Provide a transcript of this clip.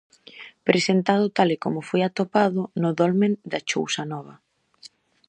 Presentado tal e como foi atopado no dolmen da Chousa Nova.